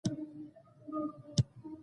احمد غريب يې نينه نينه کړ.